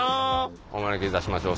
お招きいたしましょう。